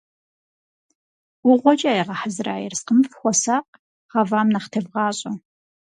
ӀугъуэкӀэ ягъэхьэзыра ерыскъым фыхуэсакъ, гъэвам нэхъ тевгъащӀэ.